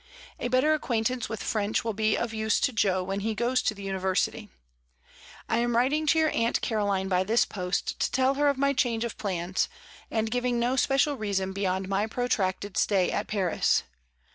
A better acquaintance with French will be of use to Jo when he goes to the University. I am writing to your Aunt Caroline by this post, to tell her of my change of plans, and giving no special reason beyond my protracted stay at Paris.